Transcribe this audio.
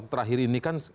terakhir ini kan